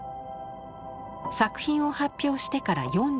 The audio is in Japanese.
作品を発表してから４４年。